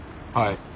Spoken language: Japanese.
はい。